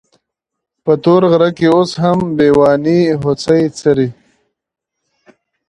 په تور غره کې اوس هم بېواني هوسۍ څري.